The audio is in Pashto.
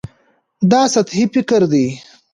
دا سطحي فکر دی.